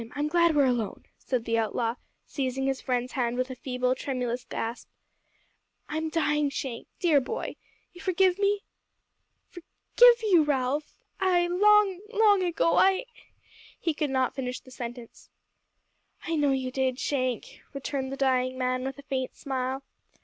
I'm glad we are alone," said the outlaw, seizing his friend's hand with a feeble, tremulous grasp. "I'm dying, Shank, dear boy. You forgive me?" "Forgive you, Ralph! Ay long, long ago I " He could not finish the sentence. "I know you did, Shank," returned the dying man, with a faint smile.